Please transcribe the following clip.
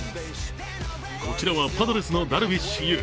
こちらはパドレスのダルビッシュ有。